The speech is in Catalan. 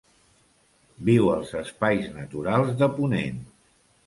Viu els Espais Naturals de Ponent.